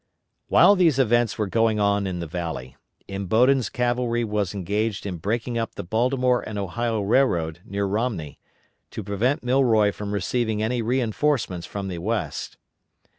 While these events were going on in the Valley, Imobden's cavalry was engaged in breaking up the Baltimore and Ohio Railroad near Romney, to prevent Milroy from receiving any reinforcements from the west.